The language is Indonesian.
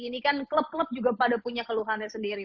ini kan klub klub juga pada punya keluhannya sendiri